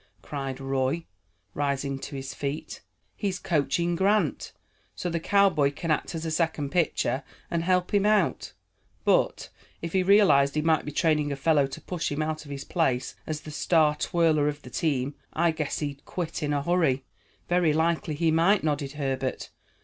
cried Roy, rising to his feet. "He's coaching Grant, so the cowboy can act as second pitcher and help him out; but, if he realized he might be training a fellow to push him out of his place as the star twirler of the team, I guess he'd quit in a hurry." "Very likely he might," nodded Herbert.